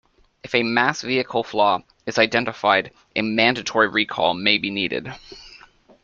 If a mass vehicle flaw is identified, a mandatory recall may be needed.